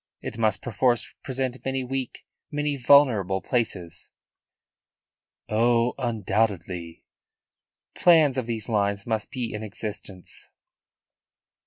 It must perforce present many weak, many vulnerable, places." "Oh, undoubtedly." "Plans of these lines must be in existence."